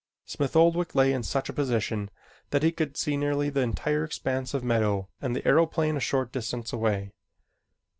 Smith Oldwick lay in such a position that he could see nearly the entire expanse of meadow and the aeroplane a short distance away.